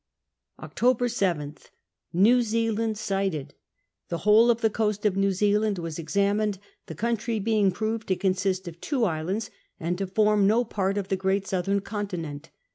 October 7th. New Zealand sighted. The whole of the coast of New Zealand was examined, the country being proved to consist of two islands, and to form no part of the great southern continent.